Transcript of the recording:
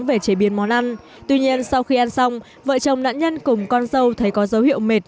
về chế biến món ăn tuy nhiên sau khi ăn xong vợ chồng nạn nhân cùng con dâu thấy có dấu hiệu mệt